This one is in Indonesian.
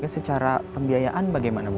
secara pembiayaan bagaimana bu